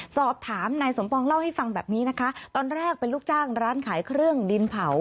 สอบถามนายสมปองเล่าให้ฟังแบบนี้นะคะตอนแรกเป็นลูกจ้างร้านขายเครื่องดินเผา